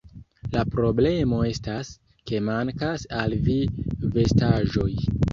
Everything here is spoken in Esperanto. La problemo estas, ke mankas al vi vestaĵoj